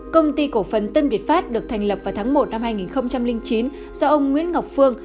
công ty cổ phần tân biệt phát được thành lập vào tháng một hai nghìn chín do ông nguyễn ngọc phương